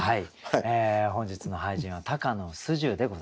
本日の俳人は高野素十でございました。